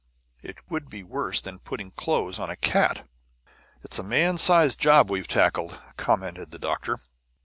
It would be worse than putting clothes on a cat." "It's a man sized job we've tackled," commented the doctor.